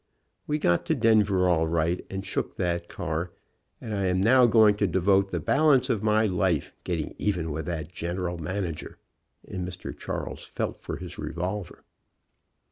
We got to Denver all right and shook that car, and I am now going to devote the balance of my life getting even with that general manager," and Mr. Charles felt for his revolver.